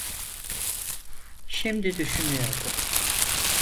Şimdi düşünüyordu.